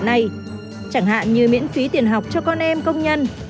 trong điều kiện này chẳng hạn như miễn phí tiền học cho con em công nhân